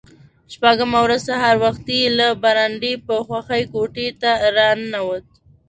شپږمه ورځ سهار وختي له برنډې په خوښۍ کوټې ته را ننوت.